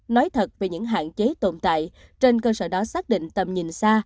nói thật về những hạn chế tồn tại trên cơ sở đó xác định tầm nhìn xa